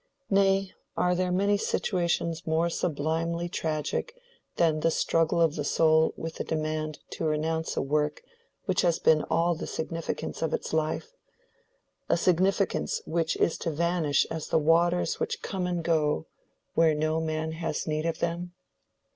Nay, are there many situations more sublimely tragic than the struggle of the soul with the demand to renounce a work which has been all the significance of its life—a significance which is to vanish as the waters which come and go where no man has need of them?